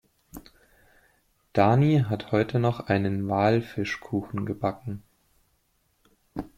Dani hat heute noch einen Walfischkuchen gebacken.